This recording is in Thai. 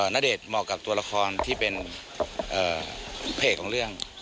ณเดชน์เหมาะกับตัวละครที่เป็นเพจของเรื่อง